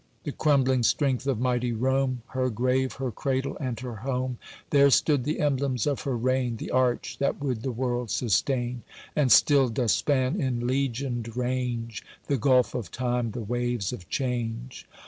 The crumbling strength of mighty Rome, Her grave, her cradle, and her home; There stood the emblems of her reign— The Arch that would the world sustain, And still doth span in legioned range The gulf of time, the waves of change.